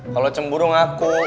kalau cemburu ngaku